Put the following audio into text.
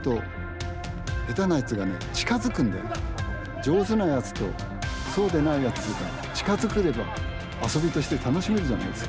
上手なやつとそうでないやつが近づければ、遊びとして楽しめるじゃないですか。